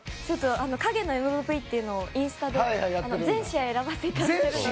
影のＭＶＰというのをインスタで全試合選ばせていただいているので。